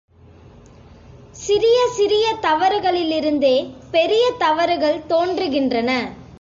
சிறிய சிறிய தவறுகளிலிருந்தே பெரிய தவறுகள் தோன்றுகின்றன.